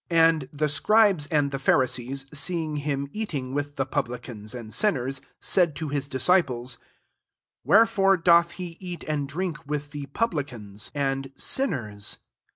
16 And the scribes and the Pharisees see ing him eating with the publi cans and sinners, said to his disciples, " Wherefore doth he eat and drink with the publican? * re MARK llh and sinners